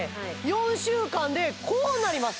４週間でこうなります